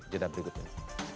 jadwal berikut ini